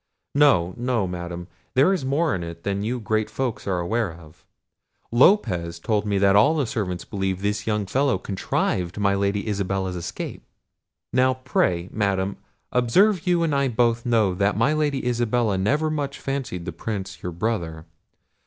No, no, Madam, there is more in it than you great folks are aware of. Lopez told me that all the servants believe this young fellow contrived my Lady Isabella's escape; now, pray, Madam, observe you and I both know that my Lady Isabella never much fancied the Prince your brother.